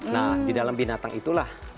nah di dalam binatang itulah